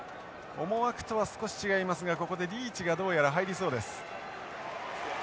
思惑とは少し違いますがここでリーチがどうやら入りそうです。